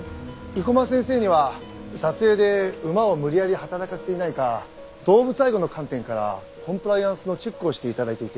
生駒先生には撮影で馬を無理やり働かせていないか動物愛護の観点からコンプライアンスのチェックをして頂いていて。